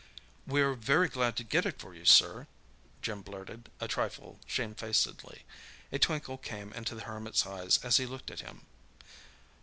"We're very glad to get it for you, sir," Jim blurted, a trifle shamefacedly. A twinkle came into the Hermit's eyes as he looked at him.